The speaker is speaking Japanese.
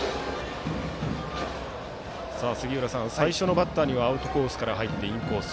杉浦さん、最初のバッターにはアウトコースから入りインコース。